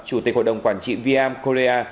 chủ tịch hội đồng quản trị vm korea